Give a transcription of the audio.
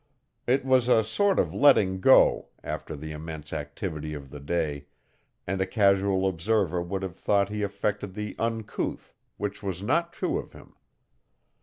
It was a sort of letting go, after the immense activity of the day, and a casual observer would have thought he affected the uncouth, which was not true of him.